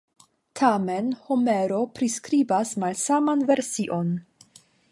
Tamen, Homero priskribas malsaman version.